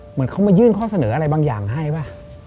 เหมือนเขามายื่นข้อเสนออะไรบางอย่างให้ป่ะ